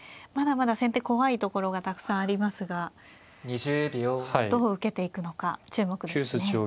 まだまだ先手怖いところがたくさんありますがどう受けていくのか注目ですね。